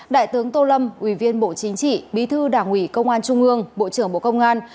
đại tướng tô lâm ủy viên bộ chính trị bí thư đảng ủy công an trung ương bộ trưởng bộ công an